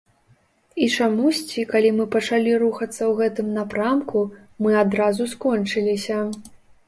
І чамусьці, калі мы пачалі рухацца ў гэтым напрамку, мы адразу скончыліся.